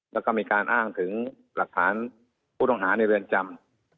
แล้วก็มีการอ้างถึงหลักฐานผู้ต้องหาในเรือนจำ